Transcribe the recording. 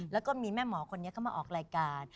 แล้วก็มีแม่หมอคนนี้เข้ามาออกรายการ